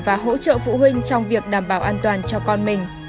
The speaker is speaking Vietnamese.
và hỗ trợ phụ huynh trong việc đảm bảo an toàn cho con mình